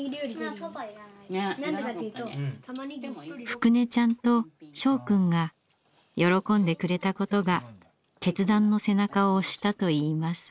福音ちゃんと従くんが喜んでくれたことが決断の背中を押したといいます。